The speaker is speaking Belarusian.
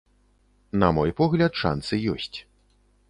На мой погляд, шанцы ёсць.